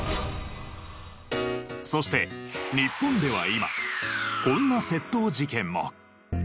そして日本では今こんな窃盗事件も。